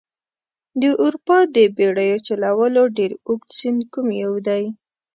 د اروپا د بیړیو چلولو ډېر اوږد سیند کوم یو دي؟